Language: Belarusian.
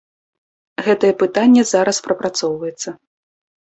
Гэтае пытанне зараз прапрацоўваецца.